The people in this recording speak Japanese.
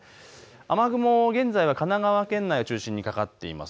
雨雲、現在は神奈川県内を中心にかかっています。